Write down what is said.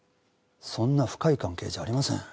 そんな深い関係じゃありません。